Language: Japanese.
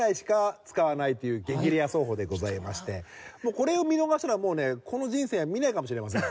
これを見逃したらもうねこの人生では見ないかもしれません。